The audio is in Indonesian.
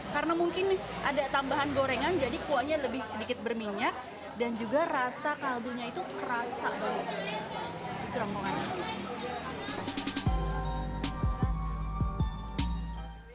karena mungkin ada tambahan gorengan jadi kuahnya lebih sedikit berminyak dan juga rasa kaldu nya itu kerasa banget